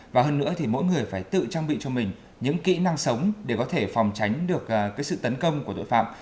và hơn nữa thì mỗi người phải tự trang bị cho mình những kỹ năng sống để có thể phòng tránh được sự tấn công của tội phạm